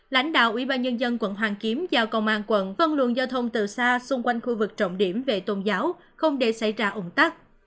lãnh đạo ủy ban nhân dân quận hoàng kiếm giao công an quận phân luận giao thông từ xa xung quanh khu vực trọng điểm về tôn giáo không để xảy ra ủng tắc